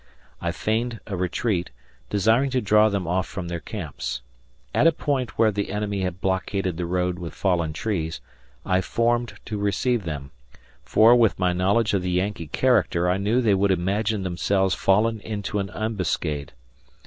I feigned a retreat, desiring to draw them off from their camps. At a point where the enemy had blockaded the road with fallen trees, I formed to receive them, for with my knowledge of the Yankee character I knew they would imagine themselves fallen into an ambuscade.